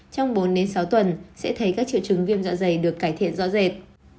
trong bốn đến sáu tuần sẽ thấy các triệu chứng viêm dạ dày được cải thiện rõ rệt